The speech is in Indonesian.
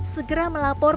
segera melapor masalahnya